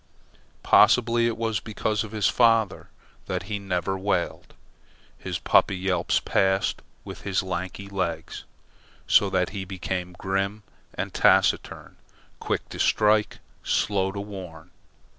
Possibly it was because of his father that he never wailed. His puppy yelps passed with his lanky legs, so that he became grim and taciturn, quick to strike, slow to warn.